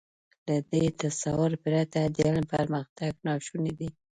له دې تصور پرته د علم پرمختګ ناشونی دی.